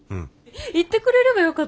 言ってくれればよかったのに。